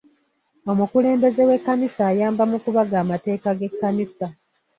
Omukulembeze w'ekkanisa ayamba mu kubaga amateeka g'ekkanisa.